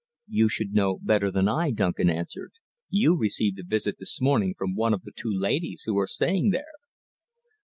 "You should know better than I," Duncan answered. "You received a visit this morning from one of the two ladies who are staying there."